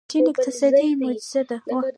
چین اقتصادي معجزه ده.